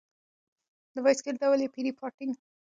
د بایسکل ډول یې پیني فارټېنګ و.